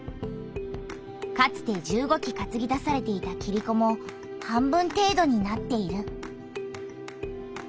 かつて１５基かつぎ出されていたキリコも半分てい度になっている。